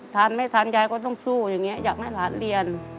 ไม่ทันยายก็ต้องสู้อย่างนี้อยากให้หลานเรียน